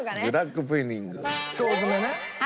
腸詰めね。